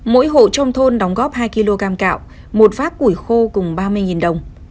mỗi hộ trong thôn đóng góp hai kg cam cạo một vác củi khô cùng ba mươi đồng